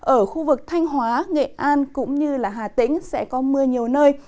ở khu vực thanh hóa nghệ an cũng như hà tĩnh sẽ có mưa nhiều nơi